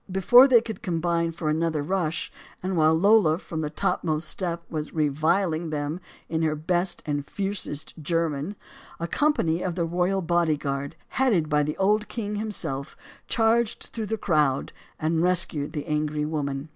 Before they could combine for another rush, and while Lola from LOLA MONTEZ 15 the topmost step was reviling them in her best and fiercest German, a company of the royal bodyguard, headed by the old king himself, charged through the crowd and rescued the angry woman.